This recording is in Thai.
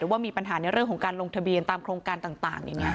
ว่ามีปัญหาในเรื่องของการลงทะเบียนตามโครงการต่างอย่างนี้